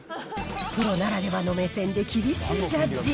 プロならではの目線で厳しいジャッジ。